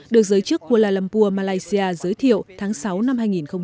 được giới chức kuala lumpur malaysia giới thiệu tháng sáu năm hai nghìn một mươi chín